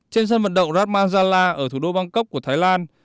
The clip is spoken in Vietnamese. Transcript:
trên sân vận động radmazala ở thủ đô bangkok của thái lan